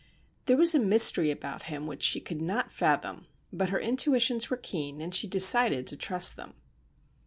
There was a mystery about him which she could not fathom—but her intuitions were keen, and she decided to trust them.